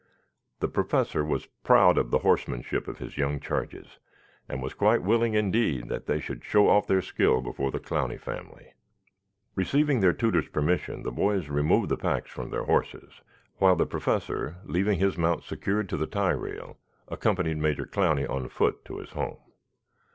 The Professor was proud of the horsemanship of his young charges, and was quite willing, indeed, that they should show off their skill before the Clowney family. Receiving their tutor's permission the boys removed the packs from their horses, while the Professor, leaving his mount secured to the tie rail, accompanied Major Clowney on foot to his home.